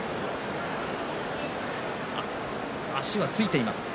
足はついています。